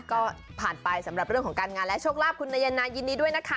ก็ผ่านไปสำหรับเรื่องของการงานและโชคลาภคุณนายนายินดีด้วยนะคะ